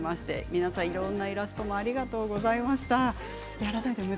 皆さんいろんなイラストありがとうございました。